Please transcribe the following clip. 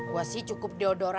gua sih cukup deodoran aja